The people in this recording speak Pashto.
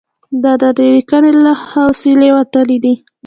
دا د دې لیکنې له حوصلې وتلي دي.